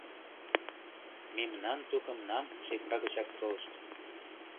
Мемнан тукымнам шепка гычак толышт;